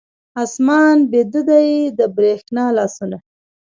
آسمان بیده دی، د بریښنا لاسونه